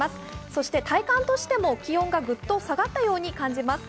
そして体感としても気温がグッと下がったように感じます。